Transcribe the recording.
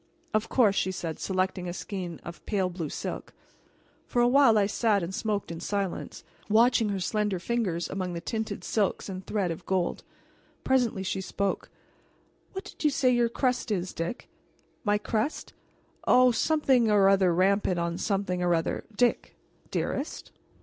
"Of course," she said selecting a skein of pale blue silk. For a while I sat and smoked in silence, watching her slender fingers among the tinted silks and thread of gold. Presently she spoke: "What did you say your crest is, Dick?" "My crest? Oh, something or other rampant on a something or other " "Dick!" "Dearest?"